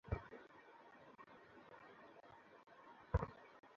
তারপর শালাকে কচুকাটা করতে পারব!